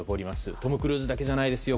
トム・クルーズだけじゃないですよ。